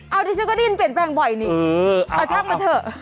เอาดิฉันก็ได้ยินเปลี่ยนแปลงบ่อยนี่เอาช่างมาเถอะ